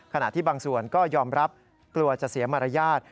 ขณะที่บางส่วนก็ยอมรับกลัวจะเสียมารยาท